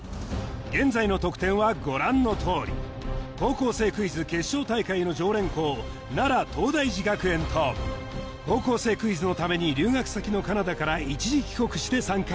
現在の得点はご覧の通り『高校生クイズ』決勝大会の常連校『高校生クイズ』のために留学先のカナダから一時帰国して参加